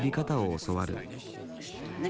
そうしたらね